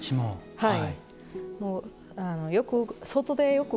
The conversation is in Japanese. はい。